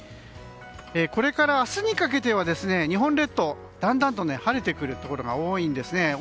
これから明日にかけては日本列島だんだんと晴れてくるところが多いんですね。